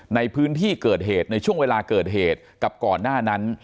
ในพื้นที่เกิดเหตุในช่วงเวลาเกิดเหตุกับก่อนหน้านั้น